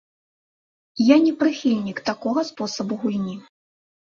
Я не прыхільнік такога спосабу гульні.